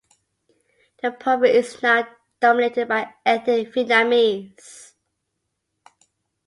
The province is now dominated by ethnic Vietnamese.